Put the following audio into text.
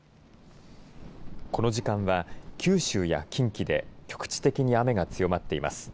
この時間は九州や近畿で局地的に雨が強まっています。